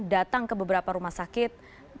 datang ke beberapa rumah sakit